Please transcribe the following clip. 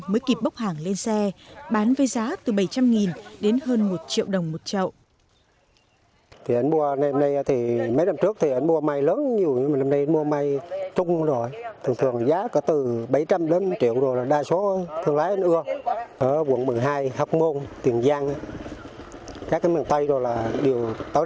mới kịp bốc hàng lên xe bán với giá từ bảy trăm linh đến hơn một triệu đồng một trậu